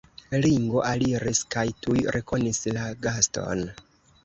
Ringo aliris kaj tuj rekonis la gaston.